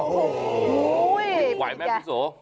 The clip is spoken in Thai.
ไหวไหมพี่โส